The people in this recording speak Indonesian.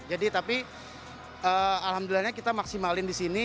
jadi tapi alhamdulillah kita maksimalin di sini